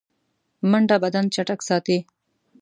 منډه بدن چټک ساتي